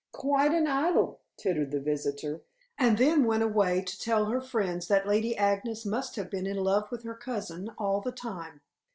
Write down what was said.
"Quite an idyl," tittered the visitor, and then went away to tell her friends that Lady Agnes must have been in love with her cousin all the time.